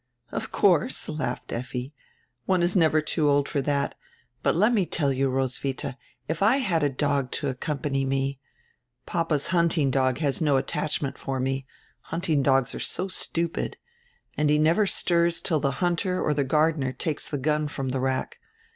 "Of course," laughed Effi. "One is never too old for that But let me tell you, Roswitha, if I had a dog to accompany me — Papa's hunting dog has no attachment for me — hunting dogs are so stupid — and he never stirs till the hunter or the gardener takes the gun from the rack.